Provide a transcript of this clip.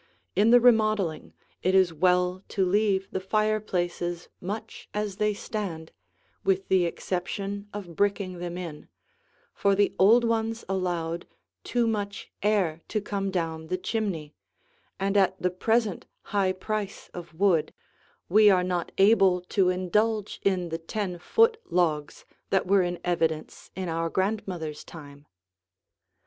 In the remodeling it is well to leave the fireplaces much as they stand, with the exception of bricking them in, for the old ones allowed too much air to come down the chimney, and at the present high price of wood, we are not able to indulge in the ten foot logs that were in evidence in our grandmothers' time.